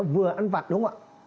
nó vừa ăn vặt đúng không ạ